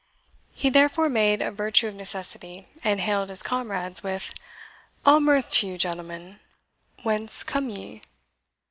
He therefore made a virtue of necessity, and hailed his comrades with, "All mirth to you, gentlemen! Whence come ye?"